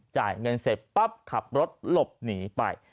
จ่ายเงินเสร็จปั๊บขับรถหลบหนีไป